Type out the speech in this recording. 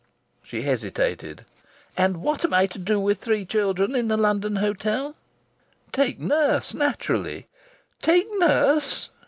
She hesitated. "And what am I to do with three children in a London hotel?" "Take nurse, naturally." "Take nurse?"